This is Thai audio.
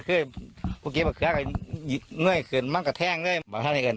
คือพวกเกี๊ยวกับเกี๊ยวกันเหนื่อยขึ้นมันก็แท่งด้วยบอกว่าเท่าไหร่เกิน